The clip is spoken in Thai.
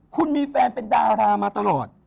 คุณมีแฟนเป็นดารามาตลอด